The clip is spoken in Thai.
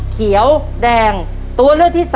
เร็วเร็วเร็ว